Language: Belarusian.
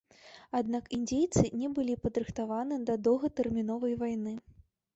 Аднак індзейцы не былі падрыхтаваны да доўгатэрміновай вайны.